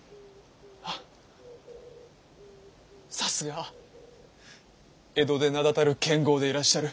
さすが江戸で名だたる剣豪でいらっしゃる。